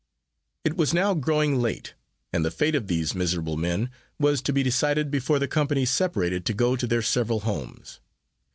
It was now growing late, and the fate of these miserable men was to be decided before the company separated to go to their several homes.